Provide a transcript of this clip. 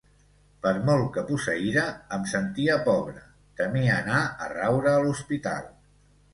Per molt que posseïra, em sentia pobre, temia anar a raure a l’hospital.